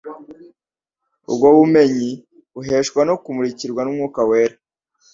Ubwo bumenyi buheshwa no kumurikirwa n'Umwuka Wera.